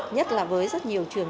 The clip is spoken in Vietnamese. nhất là với rất nhiều trường